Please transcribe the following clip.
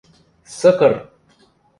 Сыкыр!